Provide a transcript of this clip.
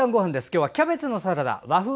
今日はキャベツのサラダ和風